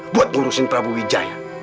buat ngurusin prabu wijaya